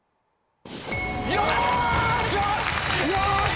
よし！